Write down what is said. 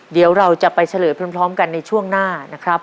เดี๋ยวเราจะไปเฉลยพร้อมกันในช่วงหน้านะครับ